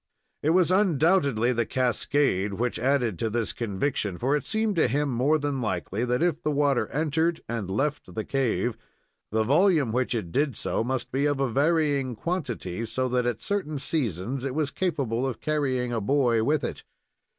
It was undoubtedly the cascade which added to this conviction, for it seemed to him more than likely that if the water entered and left the cave, the volume which did so must be of a varying quantity, so that at certain seasons it was capable of carrying a boy with it.